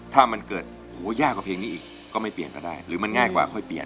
ถ้ามันเกิดโหยากกว่าเพลงนี้อีกก็ไม่เปลี่ยนก็ได้หรือมันง่ายกว่าค่อยเปลี่ยน